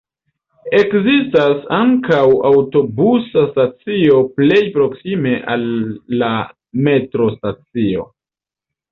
Ekzistas ankaŭ aŭtobusa stacio plej proksime al la metrostacio.